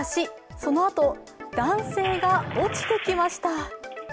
そのあと、男性が落ちてきました。